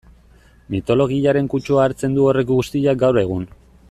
Mitologiaren kutsua hartzen du horrek guztiak gaur egun...